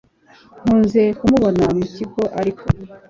nkunze kumubona mukigo ariko